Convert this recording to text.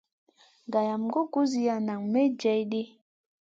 Gayam goy kuziya nam may gèh ɗi.